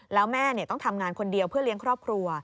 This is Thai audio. แล้วแม่ต้องทำงานคนเดียวเพื่อเลี้ยงครอบครัว